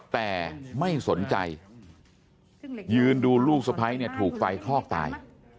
แต่ไม่สนใจยืนดูลูกสะพ้ายเนี่ยถูกไฟคลอกตาย